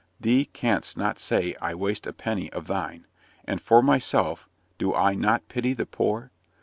"Thee canst not say I waste a penny of thine. And for myself, do I not pity the poor?